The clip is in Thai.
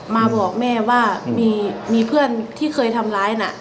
มาบอกแม่ว่ามีเพื่อนที่เคยทำร้ายน่ะ